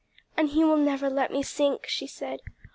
'" "And He will never let me sink," she said.